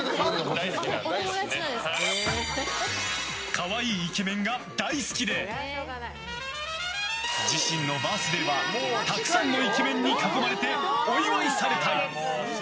可愛いイケメンが大好きで自身のバースデーはたくさんのイケメンに囲まれてお祝いされたい！